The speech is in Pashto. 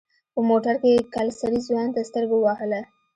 په موټر کې يې کلسري ځوان ته سترګه ووهله.